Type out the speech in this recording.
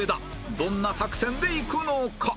どんな作戦でいくのか？